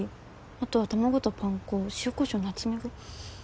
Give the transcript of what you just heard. あとは卵とパン粉塩こしょうナツメグ